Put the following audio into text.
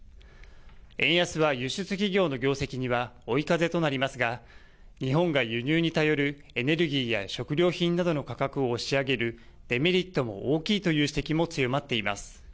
円安は輸出企業の業績には追い風となりますが、日本が輸入に頼るエネルギーや食料品などの価格を押し上げるデメリットも大きいという指摘も強まっています。